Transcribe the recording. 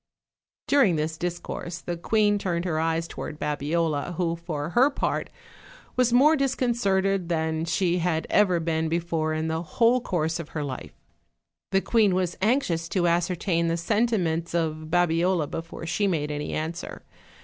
During this discourse the queen turned her eyes to ward Babiola, who for her part was more disconcerted than she had ever been before in the whole course of her life. The queen was anxious to ascertain the sentiments of Babiola before she made any answer.